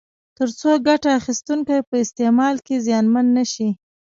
تر څو ګټه اخیستونکي په استعمال کې زیانمن نه شي.